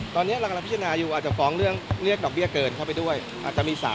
ตอนนี้เรากำลังพิจารณาอยู่อาจจะฟ้องเรียกว่านอกเบี้ยเกินเข้าไปด้วยอาจจะมี๓๔คดี